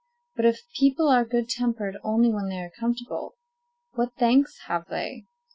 But if people are good tempered only when they are comfortable, what thanks have they?